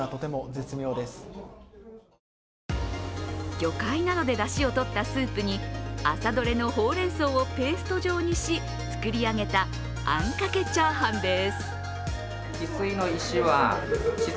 魚介などでだしをとったスープに朝どれのほうれんそうをペースト状にし、作り上げたあんかけチャーハンです。